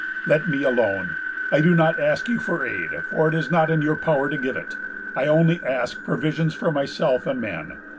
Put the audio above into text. Let me alone. I do not ask you for aid, for it is not in your power to give it. I only ask provisions for myself and men.